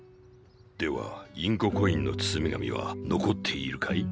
ではインココインの包み紙は残っているかい？